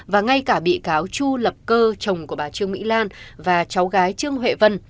và ngay cả bị cáo chu lập cơ chồng của bà trương mỹ lan và cháu gái trương huệ vân